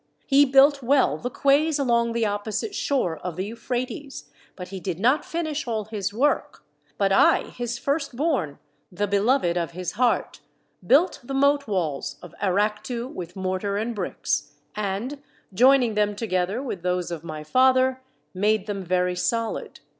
He built well the 48 THE SEVEN WONDERS quays along the opposite shore of the Euphrates, but he did not finish all his work, but I, his first born, the beloved of his heart, built the moat walls of Arachtu with mortar and bricks, and, joining them together with those of my father, made them very solid.